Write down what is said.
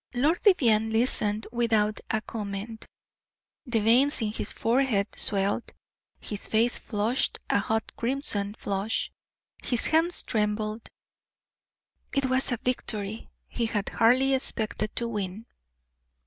Lord Vivianne listened without a comment, the veins in his forehead swelled, his face flushed a hot crimson flush, his hands trembled. It was a victory he had hardly expected to win.